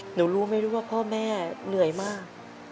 หนูรู้ไม่รู้ว่าพ่อแม่เหนื่อยมาก